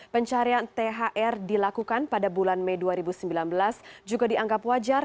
pencarian thr dilakukan pada bulan mei dua ribu sembilan belas juga dianggap wajar